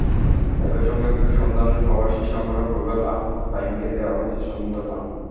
একই সঙ্গে সন্ধানীর প্রবাসী সংগঠক রুবেল আহমদ ফাহিমকে দেওয়া হয়েছে সংবর্ধনা।